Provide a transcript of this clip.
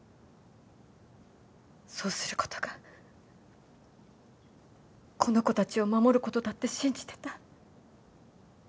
そうすることがこの子たちを守ることだって信じてた。